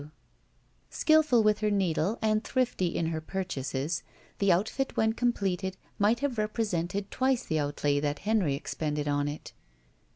W. Skillful with her needle and thrifty in her pur chases, the outfit when completed might have represented twice the outlay that Henry expended on it.